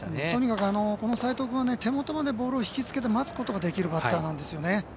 とにかく、この齋藤君は手元までボールを引きつけて待つことができるバッターなんですね。